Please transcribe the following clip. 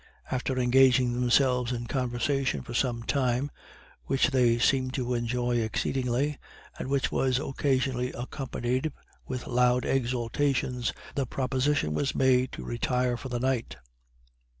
After engaging themselves in conversation for some sime, which they seemed to enjoy exceedingly, and which was occasionally accompanied with loud exultations, the proposition was made to retire for the night.